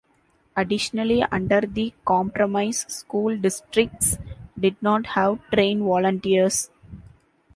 Additionally under the compromise, school districts did not have train volunteers.